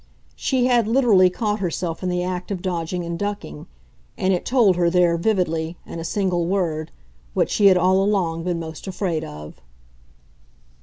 She had literally caught herself in the act of dodging and ducking, and it told her there, vividly, in a single word, what she had all along been most afraid of.